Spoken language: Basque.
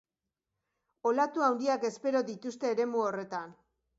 Olatu handiak espero dituzte eremu horretan.